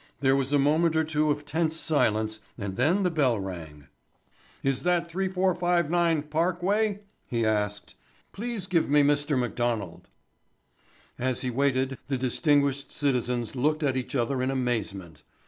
There was a moment or two of tense silence and then the bell rang. "Is that 3459 Parkway?" he asked. "Please give me Mr. McDonald." As he waited the distinguished citizens looked at each other in amazement.